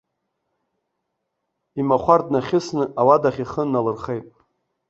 Имахәар днахьысны ауадахь ихы налырхеит.